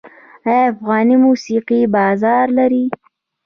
آیا افغاني موسیقي بازار لري؟